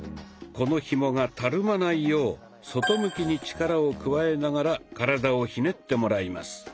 このひもがたるまないよう外向きに力を加えながら体をひねってもらいます。